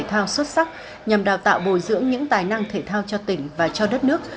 thể thao xuất sắc nhằm đào tạo bồi dưỡng những tài năng thể thao cho tỉnh và cho đất nước